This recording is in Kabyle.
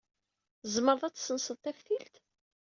Tzemreḍ ad tessenseḍ taftilt?